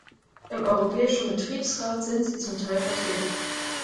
Im Europäischen Betriebsrat sind sie zum Teil vertreten.